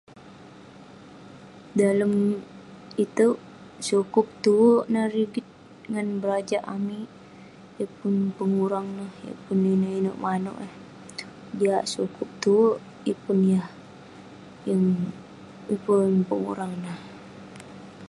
Dalem itouk, sukup tue neh rigit ngan berajak amik. Yeng pun pengurang neh, yeng pun inouk inouk manouk eh. Jiak sukup tue, yeng pun yah yeng- yeng pun pengurang neh.